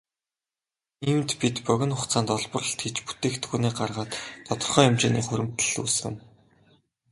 Иймд бид богино хугацаанд олборлолт хийж бүтээгдэхүүнээ гаргаад тодорхой хэмжээний хуримтлал үүсгэнэ.